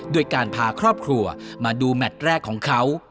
โดยการพาครอบครัวมาดูแมทแรกของเขา